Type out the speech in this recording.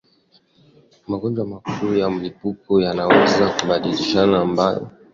magonjwa makuu ya mlipuko yanayoweza kubainishwa ambayo hutokea katika eneo kubwa lakini ufanisi wake